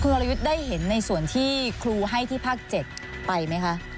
วรยุทธ์ได้เห็นในส่วนที่ครูให้ที่ภาค๗ไปไหมคะ